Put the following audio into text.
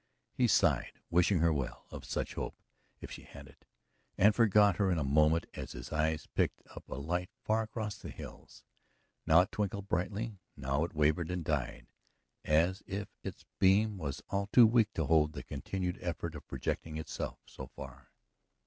He sighed, wishing her well of such hope if she had it, and forgot her in a moment as his eyes picked up a light far across the hills. Now it twinkled brightly, now it wavered and died, as if its beam was all too weak to hold to the continued effort of projecting itself so far.